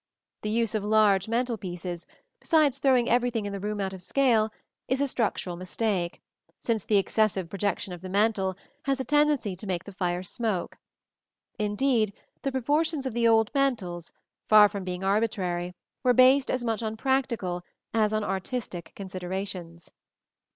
The use of large mantel pieces, besides throwing everything in the room out of scale, is a structural mistake, since the excessive projection of the mantel has a tendency to make the fire smoke; indeed, the proportions of the old mantels, far from being arbitrary, were based as much on practical as on artistic considerations.